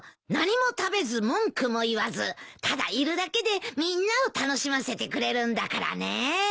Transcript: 何も食べず文句も言わずただいるだけでみんなを楽しませてくれるんだからね。